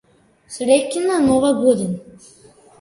Среќна нова година.